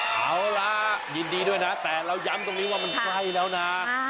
เอาละยินดีด้วยนะแต่เราย้ำตรงนี้ว่ามันใกล้แล้วนะ